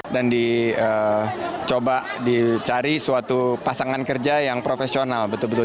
dan dicoba dicari suatu pasangan kerja yang profesional betul betul